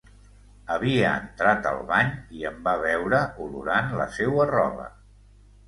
Havia entrat al bany i em va veure olorant la seua roba...